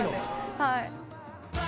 はい。